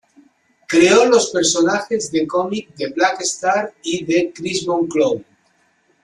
Creó los personajes de cómic "The Black Star" y "The Crimson Clown".